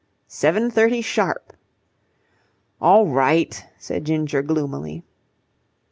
"Seven thirty sharp." "All right," said Ginger gloomily.